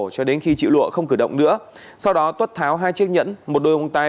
cho đến khi chị lụa không cử động nữa sau đó tuất tháo hai chiếc nhẫn một đôi mông tay